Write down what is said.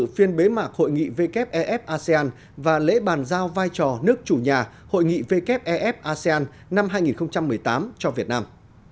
phiên bế mạc hội nghị wef asean và lễ bàn giao vai trò nước chủ nhà hội nghị wef asean năm hai nghìn một mươi tám cho việt nam